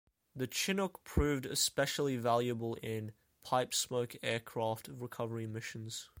The Chinook proved especially valuable in "Pipe Smoke" aircraft recovery missions.